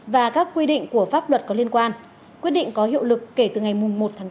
và các quy định của pháp luật có liên quan quyết định có hiệu lực kể từ ngày một tháng tám